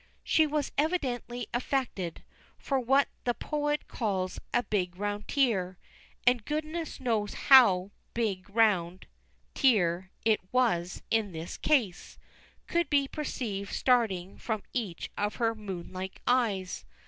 She was evidently affected; for what the poet calls a "big round tear" and goodness knows how big round tear it was in this case could be perceived starting from each of her moonlike eyes.